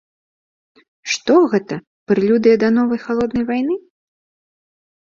Што гэта, прэлюдыя да новай халоднай вайны?